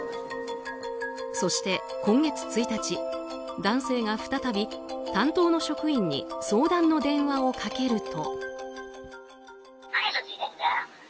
そして今月１日、男性が再び担当の職員に相談の電話をかけると。